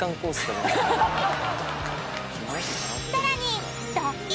［さらに］